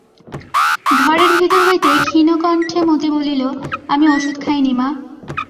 ঘরের ভিতর হইতে ক্ষীণকষ্ঠে মতি বলিল, আমি ওষুধ খাইনি মা।